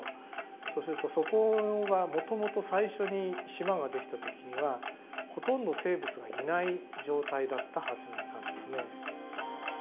そうするとそこはもともと最初に島が出来た時にはほとんど生物がいない状態だったはずなんですね。